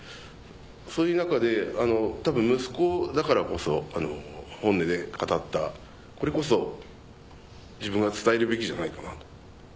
そういう中で多分息子だからこそ本音で語ったこれこそ自分が伝えるべきじゃないかなと。